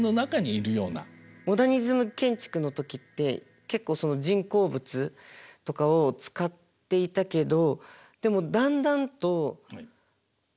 モダニズム建築の時って結構人工物とかを使っていたけどでもだんだんとまたこう。